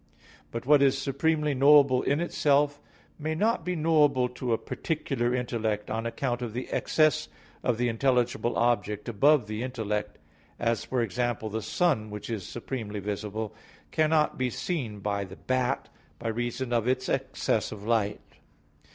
But what is supremely knowable in itself, may not be knowable to a particular intellect, on account of the excess of the intelligible object above the intellect; as, for example, the sun, which is supremely visible, cannot be seen by the bat by reason of its excess of light.